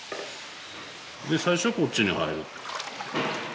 で最初こっちに入る。